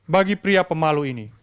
bagi pria pemalukan